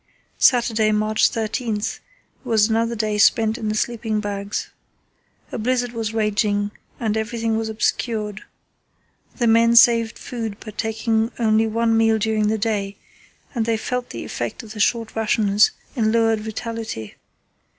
Saturday, March 13, was another day spent in the sleeping bags. A blizzard was raging and everything was obscured. The men saved food by taking only one meal during the day, and they felt the effect of the short rations in lowered vitality.